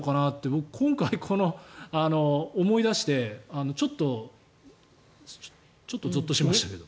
僕、今回、思い出してちょっとぞっとしましたけど。